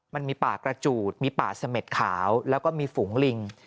มันมีป่ากระจูดมีป่าเสม็ดขาวแล้วก็มีฝูงลิง